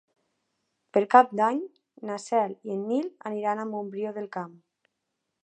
Per Cap d'Any na Cel i en Nil aniran a Montbrió del Camp.